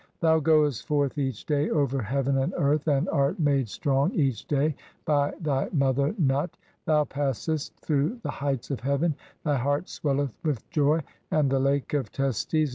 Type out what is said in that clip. Thou goest forth each day over heaven and earth and "art made strong each day by thy mother Nut. Thou passest "through the heights of heaven, thy heart swelleth with joy ; and "the Lake of Testes